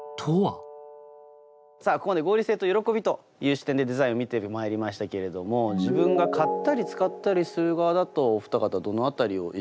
さあここまで「合理性」と「喜び」という視点でデザインを見てまいりましたけれども自分が買ったり使ったりする側だとお二方どの辺りを意識されますか？